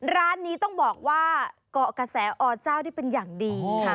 ร้านนี้ต้องบอกว่ากะแสออ่อเจ้าที่เป็นอย่างดี